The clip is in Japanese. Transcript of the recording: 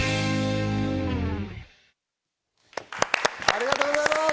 ありがとうございます！